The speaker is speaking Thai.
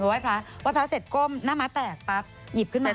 ไหว้พระไหว้พระเสร็จก้มหน้าม้าแตกปั๊บหยิบขึ้นมา